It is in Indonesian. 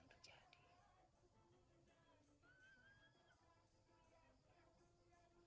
apa yang terjadi